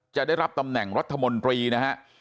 จะได้รับตำแหน่งรัฐมนตรีนะฮะ